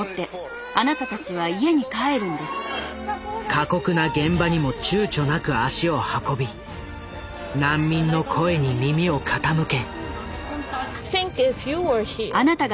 過酷な現場にもちゅうちょなく足を運び難民の声に耳を傾け。